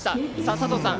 佐藤さん